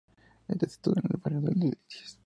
Está situado en el barrio de Delicias.